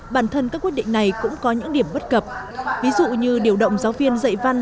bản thân các quyết định này cũng có những điểm bất cập ví dụ như điều động giáo viên dạy văn